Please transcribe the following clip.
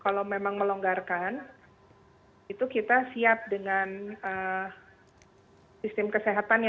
kalau memang melonggarkan itu kita siap dengan sistem kesehatannya